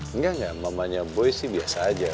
enggak enggak mamanya boy sih biasa aja